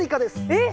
えっ！